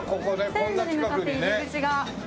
線路に向かって入り口が。